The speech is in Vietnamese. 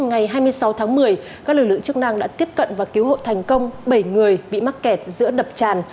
ngày hai mươi sáu tháng một mươi các lực lượng chức năng đã tiếp cận và cứu hộ thành công bảy người bị mắc kẹt giữa đập tràn